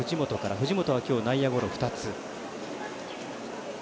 藤本は今日、内野ゴロ２つ。